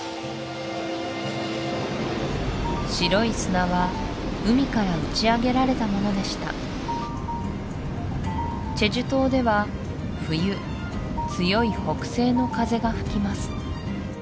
白い砂は海から打ち上げられたものでした済州島では冬強い北西の風が吹きます